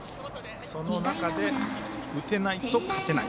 その中で打てないと勝てない。